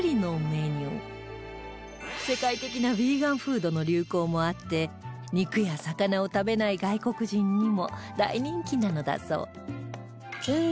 世界的なヴィーガンフードの流行もあって肉や魚を食べない外国人にも大人気なのだそう